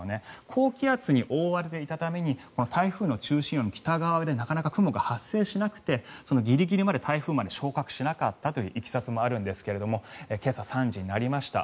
高気圧に覆われていたために台風の中心よりも北側でなかなか雲が発生しなくてギリギリまで台風まで昇格しなかったといういきさつもあるんですが今朝３時になりました。